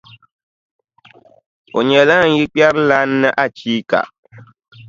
O nyɛla n yilikpɛrilana ni achiika.